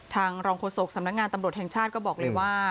รองโฆษกสำนักงานตำรวจแห่งชาติก็บอกเลยว่า